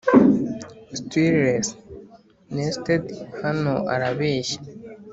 stirless, nested hano arabeshya